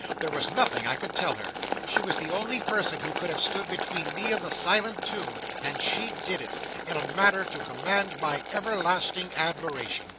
There was nothing I could tell her. She was the only person who could have stood between me and the silent Tomb, and she did it, in a manner to command my everlasting admiration.